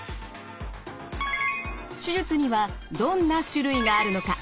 手術にはどんな種類があるのか？